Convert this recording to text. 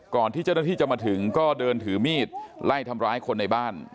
ที่เจ้าหน้าที่จะมาถึงก็เดินถือมีดไล่ทำร้ายคนในบ้าน